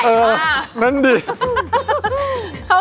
เสร็จแล้วค่ะ